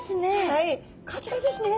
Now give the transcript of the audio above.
はいこちらですね。